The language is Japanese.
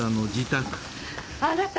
あなた！